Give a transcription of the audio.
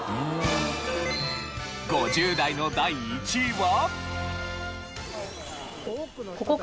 ５０代の第１位は。